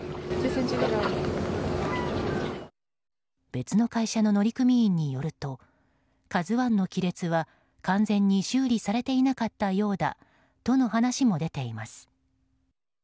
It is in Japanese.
別の会社の乗組員によると「ＫＡＺＵ１」の亀裂は完全に修理されていなかったようだとの話も出ています。